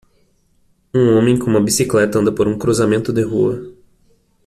Um homem com uma bicicleta anda por um cruzamento de rua.